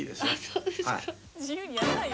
「そうですか」